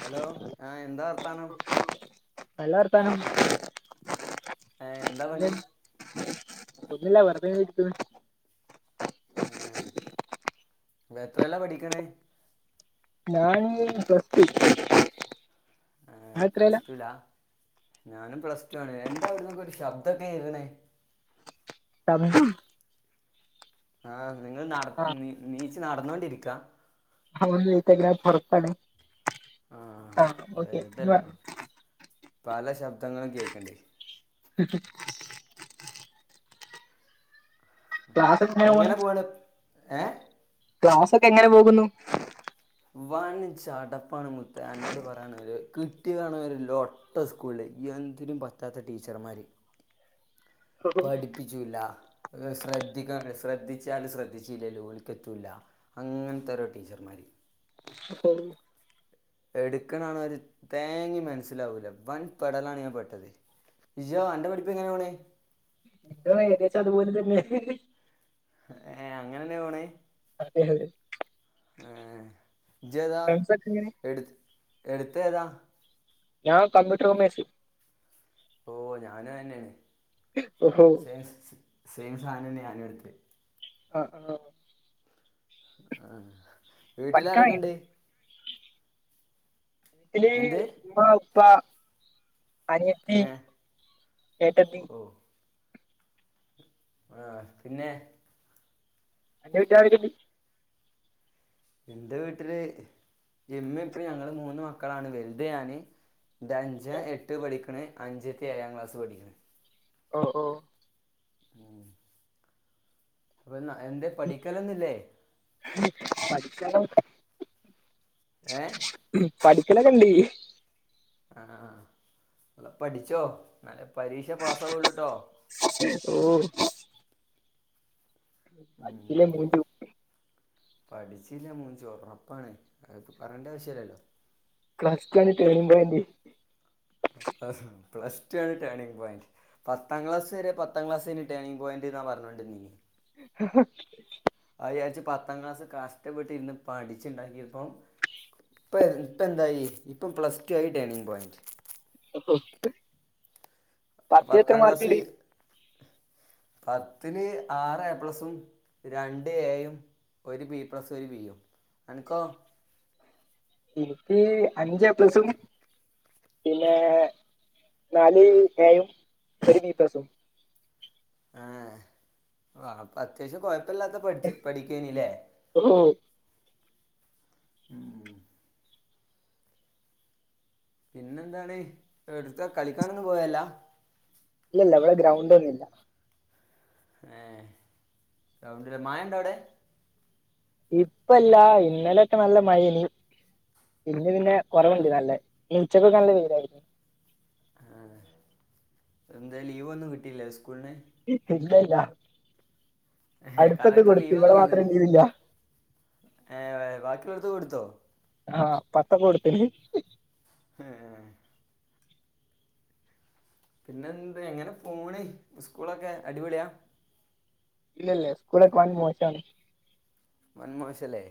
Hello ആഹ് എന്താ വർത്താനം. നല്ല വർത്താനം. ഹേ എന്താ പണി. ഒന്നുല്ല വെറുതെ ഇരിക്ക്ന്ന് ഏഹ് എത്രേലാ പഠിക്കണേ? ഞാനീ പ്ലസ്റ്റു ആഹ് പ്ലസ്റ്റൂലാ ഞാനും പ്ലസ്ടു ആണ് എന്താ അവിടുന്നൊക്കെ ഒരു ശബ്ദക്കെ കേക്ക്ണേ തമ്പ ആഹ് ന്ന് നിങ്ങൾ നട നീ നീ നടന്നോണ്ടിരിക്കാ ആഹ് [unintelligible] ഞാ പൊറത്താണ് ആ ആഹ് ഓക്കെ ന്ന് പറ വെറുതല്ല പല ശബ്ദങ്ങളും കേക്കണ്ട്. ക്ലാസ് എങ്ങനെയാ പോണ്? ഏഹ്? ക്ലാസൊക്കെ എങ്ങനെ പോകുന്നു? വൻ ചടപ്പാണ് മുത്തെ. അന്നോട് പറയാണെങ്കില്. കിട്ടിയതാണേ ലൊട്ട സ്കൂളില് എന്തിനും പറ്റാത്ത ടീച്ചർമാര്. പഠിപ്പിച്ചൂല്ല, ശ്രദ്ധിക്ക ശ്രദ്ധിച്ചാലും ശ്രദ്ധിച്ചില്ലേലും ഓലിക്കെത്തൂല്ല. അങ്ങനത്തെ ഓരോ ടീച്ചർമാര്. എടുക്ക്ണാണേൽ തേങ്ങീം മനസ്സിലാവൂല വൻ പെടലാണ് ഞാൻ പെട്ടത്. ഇജോ അന്റെ പഠിപ്പ് എങ്ങനേ പോണെ? എന്റേം ഏകദേശം അതുപോലെ തന്നെ. ഏഹ് അങ്ങനെന്നാ പോണ്? അതെ അതെ. ഇജേതാ ഫ്രണ്ട്സ് ഒക്കെ എങ്ങനെ എട് എട് ത്തേതാ? ഞാൻ കമ്പ്യൂട്ടർ കോമേഴ്‌സ്. ഓ ഞാനു അയെന്നേണ്. ഓഹോ [inaudible] സേമ് സാനന്നേ ഞാനും എടുത്തെ. ആഹ് [unintelligible] വീട്ടില് പഠിക്കാൻ ആരൊക്കണ്ട് ഏഹ് എന്ത് [unintelligible] പ്പ അനിയെത്തി പിന്നെ ഏട്ടെത്തി ആഹ് പിന്നെ അന്റെ വീട്ടിലാരൊക്കണ്ട് ഇന്റെ വീട്ടില് ഇമ്മിം ഇപ്പി ഞങ്ങള് മൂന്ന് മക്കളാണ്. വലുത് ഞാന് ഇന്റെ അഞ്ചൻ എട്ട് പഠിക്ക്ണ് അഞ്ചത്തി ഏഴാം ക്ലാസ് പഠിക്ക്ണ് ഓ ഓ ഉം വെന്നാ എന്തെ പഠിക്കലൊന്നുല്ലേ ക്കലു ഏ പഠിക്കലൊക്കെണ്ട് ആഹ് നല്ലൊ പഠിച്ചോ ഇന്നാലെ പരീക്ഷ പാസ്സാവുള്ളുട്ടോ ഓ പഠിച്ചില്ലേ മൂജ്ജും പഠിച്ചിലെ മൂജ്ജും ഒറപ്പാണ് അത് പറയേണ്ട ആവശ്യല്ലല്ലോ പ്ലസ് റ്റു ആണ് ടേണിഗ് പോയിന്റ് പ്ലസ് ടു ആണ് ടേണിംഗ് പോയിന്റ് പത്താം ക്ലാസ് വരെ പത്താം ക്ലാസെനി ടേണിംഗ് പോയിന്റ് ന്നാ പർഞ്ഞോണ്ടിന്നീനെ. അതാ വിചാരിച്ച് പത്താം ക്ലാസ് കഷ്ടപ്പെട്ട് ഇരുന്ന് പഠിച്ചുണ്ടാക്കിയപ്പം ഇപ്പ ഇപ്പ എന്തായി ഇപ്പം പ്ലസ് ടു ആയി ടേണിങ് പോയിന്റ്. പ്പ പ്ലസ് റ്റു അ പത്താം ക്ലാസ് പ ത്തില് ആറ് എ പ്ലസും രണ്ട് എയും ഒരു ബി പ്ലസും ഒരു ബീ യും. അൻക്കോ? ഇനിക്ക് അഞ്ച് എ പ്ലസും, പിന്നെ നാല് എയും, ഒരു ബിപ്ലസും ആഹ് ആഹ് അപ്പൊ അത്യാവശ്യം കൊയപ് പ്പല്ലാത്ത പഠിച് പഠിക്കേനില്ലേ ഓഹോ ഉം പിന്നെന്താണ് എട്ത്ത കളിക്കാനൊന്നും പോവല്ലാ ഇല്ലല്ല ഇവടെ ഗ്രൗണ്ടൊന്നുല്ല ഏഹ് ഗ്രൗണ്ടില്ല മഴണ്ടവ്ടെ? ഇപ്പല്ല ഇന്നലക്കെ നല്ല മഴേനി. ഇന്ന് പിന്നെ കൊറവ്ണ്ട് നല്ലെ ഇന്നുച്ചകൊക്കെ നല്ല വെയിലായിനി ആഹ് എന്തേ ലീവൊന്നും കിട്ടില്ലെ സ് [unintelligible] ല്ല ഏഹ് അടുത്തൊക്കെ കളക്ടർ കൊട്ത്ത് ലീവ് ഇവടെ ഒന്നും തന്നില്ല മാത്രം [unintelligible] ഏഹ് ബാക്കിള്ളോട്ത്ത് കൊടുത്തോ ആഹ് പത്തം കൊട്ത്ത്ണ് ഏഹ് പിന്നെന്ത്‌ എങ്ങനെ പോണ് സ്കൂളൊക്കെ അടിപൊളിയാ ഇല്ല ല്ല സ്കൂളൊക്കെ വൻ മോശാണ്. വൻമോശല്ലേ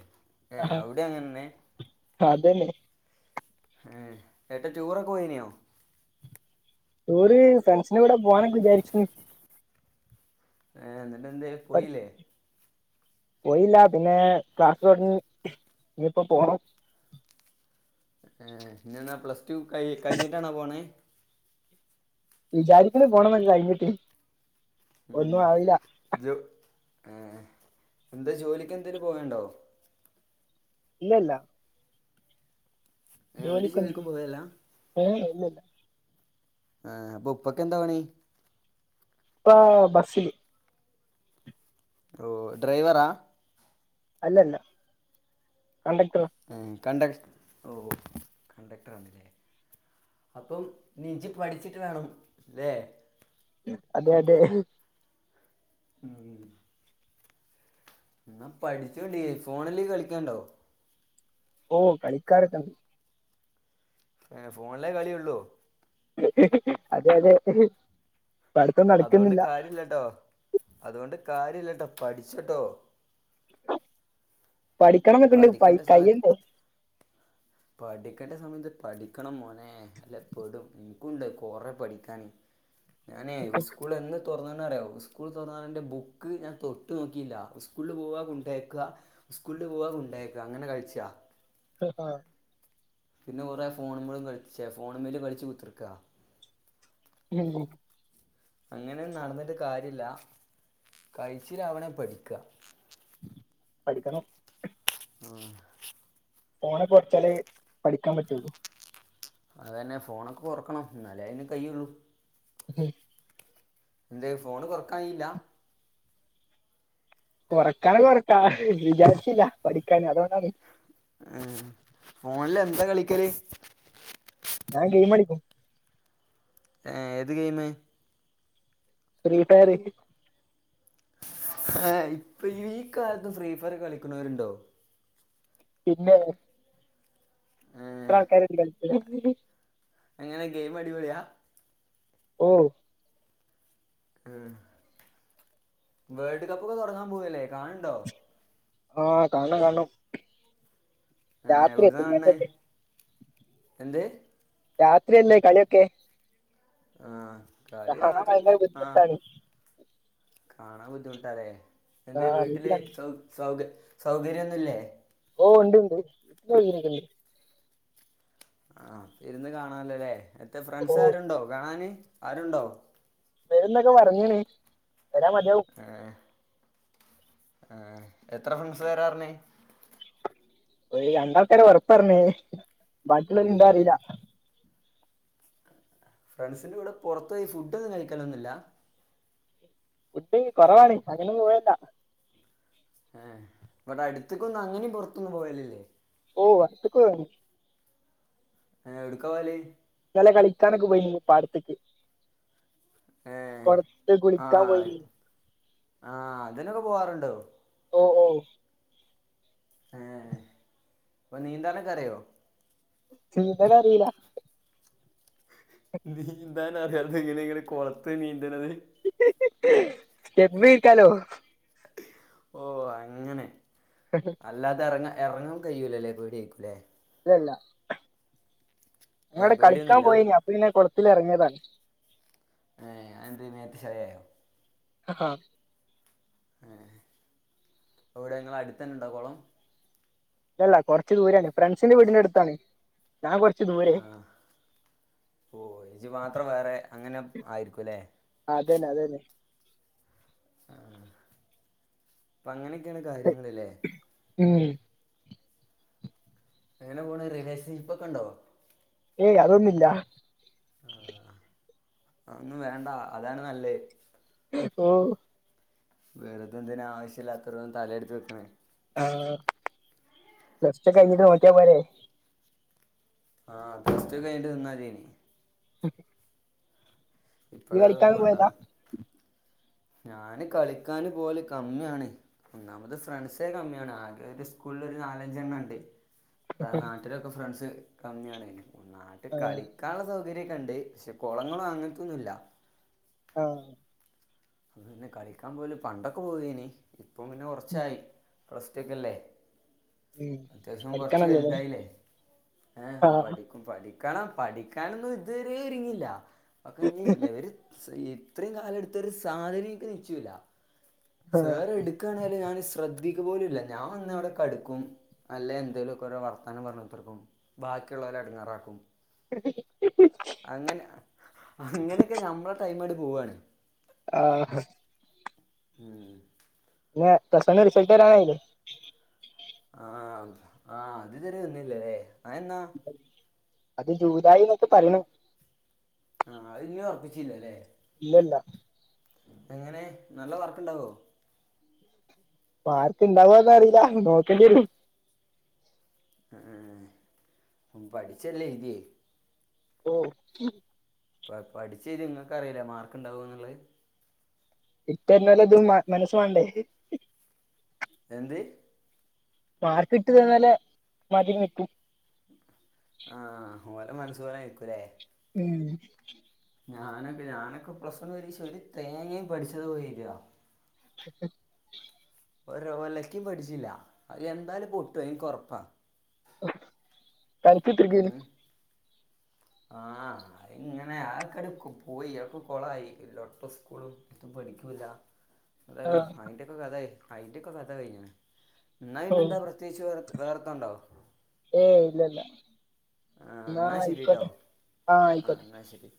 ഏഹ് അവ്ടീം അങ്ങനെന്നെ അതെന്നെ ഏഹ് ഏട്ടൻ ടൂറൊക്കെ പോയിന്യോ? ടൂറ് ഫ്രണ്ട്സിന്റെ കൂടെ പോവാനൊക്കെ വിചാരിച്ച്ണ്. ഏ ന്ന് ട്ടെന്ത്യേ പോയില്ലെ പോയില്ല പിന്നെ ക്ലാസ് തൊട്ങ്ങി ഇനിയിപ്പോ പോണം ഇഞ്എന്നാ പ്ലസ് റ്റു കയ് കഞ്ഞിട്ടാണോ പോണത് വിചാരിക്ക്ണ് പോണോന്നൊക്കെ കഴിഞ്ഞിട്ട് ഉം ഒന്നും ആവില്ല ജോ ആ എന്തെ ജോലിക്കെന്തേലും പോകലുണ്ടോ? ഇല്ല ഇല്ല ഏ, ഒരു ജോലിക്കൊന്നും ജോലിക്കും പോയല്ല ഏഹ് ഇല്ല ആ സ് അപ്പെ ഉപ്പക്കെന്താ പണി ഉപ്പാ ബസ്സില് ഓ ഡ്രൈവറാ അല്ലല്ല കണ്ടക്ട്ടറ് കണ്ടക് ഓ കണ്ടക്ട്ടറാണ്ലെ അപ്പം നീഞ്ചി പഠിച്ചിട്ട് വേണം ല്ലേ അതെ അതെ ഹ് [inaudible] എന്നാ പഠിച്ചോണ്ടി ഫോണില് കളിക്കേണ്ടോ ഓ കളിക്കാറൊക്കണ്ട് ഏഹ് ഫോണിലേ കളിയൊള്ളൂ ഹ് ഹ് അതെ അതെ പഠിത്തം അതുകൊണ്ട് നടക്കുന്നില്ല കാര്യല്ലട്ടോ അതുകൊണ്ട് കാര്യല്ലട്ടോ പഠിച്ചട്ടോ പഠിക്കണംന്നൊക്കണ്ട് പയ് പഠിക്കേണ്ട സമയത്ത് കയ്യണ്ടേ പഠിക്കേണ്ട സമയത്ത് പഠിക്കണം മോനെ അല്ലെ പെടും എൻക്കുംണ്ട് കൊറെ പഠിക്കാന് ഞാനേ സ്കൂൾ എന്ന് തൊറന്ന ന്നറിയോ സ്കൂൾതൊറന്നാൽ എന്റെ ബുക്ക് ഞാൻ തൊട്ട് നോക്കില്ല സ്കൂളില് പോവാ കൊണ്ടേക്ക സ്കൂള കൊണ്ട് പോവാ കൊണ്ടെക്കാ അങ്ങനെ കഴിച്ചാ ഹ് ഹാ പിന്നെ കുറേ ഫോണ്മ്മളും കളിച്ചേ ഫോണ്മ്മല് കളിച്ച് കുത്തിർക്കാ- ലല്ലാ- അങ്ങനെ നടന്നിട്ട് കാര്യല്ല കഴിച്ചിലാവണേ പഠിക്കാ- പഠിക്കണം- ആഹ് - ഫോണ് കൊർച്ചാല് പഠിക്കാൻ പറ്റുള്ളു- അതന്നെ ഫോണൊക്കെ കൊറക്കണം എന്നാലേ അയ്ന്കയ്യുള്ളു- [unintelligible] ന്തെ ഫോണ്കൊറക്കായില്ല- കൊറക്കാൻ കൊറക്കാ ഹ് വിചാരിച്ചില്ല പഠിക്കാന് അതൊണ്ടാണ്- ഉ ഫോണില് എന്താ കളിക്കല്- ഞാ ഗെയ്മളിക്കും- ഏ ഏത് ഗെയ്മ്- ഫ്രീ ഫയറ്- ഏ ഇപ്പ ഈകാലത്ത് ഫ്രീ ഫയറ് കളിക്കണോരുണ്ടോ? പിന്നെ- ഏ, എത്ര ആൾക്കാര്ണ്ട് കളിക്കണ- എങ്ങനെ ഗെയിംഅടിപൊളിയാ- ഓ- [unintelligible] വേൾഡ് കപ്പ് ഒക്കെ തൊടങ്ങാൻ പോന്നില്ലേ കാണ് ണ്ടോ? ആ കാണണം കാണണം- ആ രാത്രി എവിടന്നാ കാണേ? തിങ്കളാഴ്ച എന്ത്? രാത്രിയല്ലേ കളിയൊക്കെ? ആ കളി കാണാൻ രാത്രിയും ഭയങ്കര ആ ബുദ്ധിമുട്ടാണ് കാണാൻ പറ്റ ട്ടല്ലേ ആ എന്റെ വീട്ടില് അറിയത്തിലാണ് സൗ സൗക സൗകര്യഒന്നുംമില്ലേ? ഓ ഉണ്ട്ണ്ട് ഇണ്ട്. ആ ഇരുന്ന് കാണാനല്ലോല്ലേ? എത്ത ഓ ഫ്രണ്ട്സ് ആരുണ്ടോ കാണാന്. ആരുണ്ടോ? വേരന്തൊക്കെ പറഞ്ഞണേ? [unintelligible] [unintelligible] ആ എത്ര ഫ്രണ്ട്സ് വേരാന്ന് പറഞു ഒരു രണ്ടാൾക്കാരഉറപ്പ പറഞ്ഞേ. ബാക്കിയുള്ള എന്താ അറിയില്ല. ഫ്രണ്ട്സിന്റെ കൂടെ പുറത്ത്പോയി ഫുഡ് ഒന്നും കഴിക്കലൊന്നുംമില്ല. ഫുഡ്കുറവാണ് അങ്ങനും പോവല്ല. ആ ഇവിട്ട അടുത്തക്കൊന്ന് അങ്ങനെയ പുറത്തൊന്നന്ന് പോയലല്ലേ? ഓ [unintelligible] [unintelligible] ആ എവിടുക്ക പോകല് നല്ല കളിക്കാനൊക്ക പോയി പാടതേക് ഏഹ് കൊടത്ത് കുളിക്കാൻ പോയി. ആ അതിനൊക്കെ പോവാറുണ്ടോ? ഓ ഓ ഹ അപ്പൊ നീന്താനെക്കെറിയുവോ? നീന്തലറിയില്ല. നീന്താൻ അറിയല്ലോ ഇങ്ങനങ്ങനെ കൊളത്ത് നീന്തണുന്നത്. [unintelligible] സെറ്റമിയിട്ടാലോ. ഓ അങ്ങനെ അല്ലാതെ ഇറങ്ങ ഇറങ്ങാൻ കഴിയൂല അല്ലേ പേടിയാല്ലേ? അതല്ല ഏ ഞാൻടെ കളിക്കാൻ പേടിയൊന്നുമില്ല പോയിനി അപ്പൊന്നെ കൊടു ത്തിലിറങ്ങിയതാണ്. [unintelligible] ഹ ഹ [unintelligible] ആ ഇവിടെ നിങ്ങള അടുത്ത് ഉണ്ടോ കൊളം. ഇല്ലല്ല, കുറച്ചു ദൂരാണ് ഫ്രണ്ട്സിന്റെ വീടിന്റെ അടുത്താണ്. ഞാൻ കൊറച്ച് ആ ദൂരെ. ഓ ഇജ്ജ് മാത്രം വേറെ അങ്ങനെ ആയിരിക്കുല്ലേ. അതന്നെ അതന്നെ ആ അ അങ്ങനെ. [unintelligible] കാര്യങ്ങളല്ലേ. ഉം എങ്ങനെ പോണ് റിലേഷൻഷിപ്പ് ഒക്കെ ഉണ്ടോ ഏ അതൊന്നും ഇല്ല ആ ഒന്നും വേണ്ട അതാണ് നല്ലെ ഓ വെറുതെന്തിനാ ആവശ്യമില്ലാത്തന്നും തല എടുത്ത് വെക്കണേ ആ പ്ലസ് ടു കഴിഞ്ഞിട്ട് നോക്കിയാ പോരെ ആ പ്ലസ് ടു കഴിഞ്ഞിട്ട് നിന്നാലീനി ഇപ്പോഴേ [unintelligible] ഞാന് കളിക്കാന് പോലെ കമ്മിയാണ് ഒന്നാമത് ഫ്രണ്ട്സെ കമ്മിയാണ് ആകെ ഒരു സ്കൂളിൽ ഒരു നാലഞ്ചെണ്ണം ഉണ്ട് നാട്ടിലൊക്കെ ഫ്രണ്ട്സ് കമ്മിയാണ് നാട്ടി കളിക്കാനൊള്ള സൗ കണ്ട് പക്ഷെ കുളങ്ങളും അങ്ങനക്കൊത്തുന്നുല്ല ആ അത് തന്നെ കളിക്കാൻ പോലും പണ്ടൊക്കെ പോവാനി അപ്പ പിന്നെ ഒറച്ചായി റസ്റ്റ്ക്കഅല്ലേ ഉം അത്യാവശ്യം കുറച്ച് പഠിക്കണല്ലോല്ലേ വലുതായില്ലേ ഏ ആ ആഹ് പഠിക്കും പഠി ക്കണം പഠിക്കാനൊന്നും ഇതുവരെ ഒരുങ്ങില്ല [unintelligible] ഇത്രയും കാലമെടുത്തൊരു സ് സാധനമെനിക്കു നിശ്ചിയുല്ല ആഹ് സാറ് എടുക്കുകയാണെങ്കില് ഞാന് ശ്രദ്ധിക്ക പോലുവില്ല ഞാൻന്നവിടെ കടുക്കും അല്ലെ എന്തേലുമ ഒക്കെ വർത്താനം പറഞ്ഞ് കുതീർക്കും ബാക്കിയുള്ളവരെ എടങ്ങാറാക്കും അങ്ങനെ അങ്ങനെയൊക്കെ നമ്മള് ടൈമ് എടു പൂവാണ് ആാ ഉം പ്ലസ് വണ്ണിലെ റിസൾട്ട് വരാനായില്ലേ ആ ആ അതു ഇതുവരെ വന്നില്ലേ അയെന്നാ ഇത് ജൂലായി എന്നൊക്കെ പറയണു ആ അത് ഇനി ഉറപ്പിച്ചില്ലല്ലേ ഇല്ലല്ല എങ്ങനെ നല്ല വർക്കുണ്ടാവോ മാർപ്പ് ഇണ്ടാവന്ന് അറിയില്ല നോക്കേണ്ടി വരും ഉം ഉം പഠിച്ചല്ലേ എഴുതിയേ ഓ ഇ പഠിച്ചത് നിങ്ങക്ക് അറിയില്ല മാർക്ക് ഇണ്ടാവൂ എന്നുള്ളത് [unintelligible] അതും മനസ്സു വേണ്ടെ എന്ത് മാർക്ക് ഇട്ട് തന്നാലേ മതി നിക്കും ആ മോന്റെ മനസ്സുപോലെ ആയിരിക്കുമല്ലേ ഉം [inaudible] ഞാനൊക്ക ഞാനൊക്കെ പ്ലസ് വൺ പരീക്ഷയിൽ ഒരു തേങ്ങയും പഠിച്ചത് പോലുമില്ല അ [unintelligible] ഒരു ഒലക്കും പഠിച്ചില്ല അത് എന്തായാലും പൊട്ടു അത് എനിക്ക് ഉറപ്പാ കഴിച്ചിത്രർഗീ [unintelligible] ആ അ ഇങ്ങനെ ആൾക്കാര് പോയി അപ്പോ കൊളായി ലോട്ട സ്കൂളും ഒട്ടും പഠിക്കൂല്ല എന്തായാലും ആഹ് അതിന്റെയൊക്കെ കഥയേ അതിന്റെ ഒക്കെ കഥ കഴിഞ്ഞ എന്ന ഓ ഇന്നെന്താ പ്രത്യേകിച്ച് വേ വേറെത്തണ്ടോ ഉ [inaudible] എന്നാ ആയിക്കോട്ടേ ആ ആയിക്കോട്ടേ എന്നാൽ ശരി